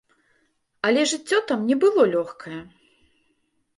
Але жыццё там не было лёгкае.